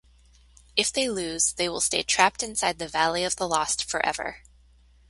If they lose they will stay trapped inside the Valley of the Lost forever.